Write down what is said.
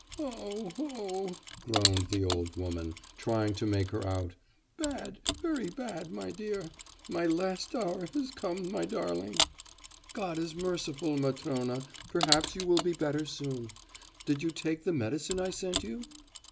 'Oh, oh!' groaned the old woman, trying to make her out, 'bad, very bad, my dear! My last hour has come, my darling!' 'God is merciful, Matrona; perhaps you will be better soon. Did you take the medicine I sent you?